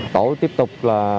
tổ tiếp tục